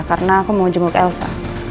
karena aku mau jemput elsa